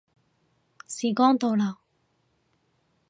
時光倒流